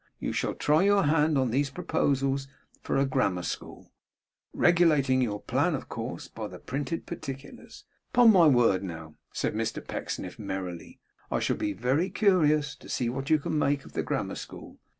you shall try your hand on these proposals for a grammar school; regulating your plan, of course, by the printed particulars. Upon my word, now,' said Mr Pecksniff, merrily, 'I shall be very curious to see what you make of the grammar school.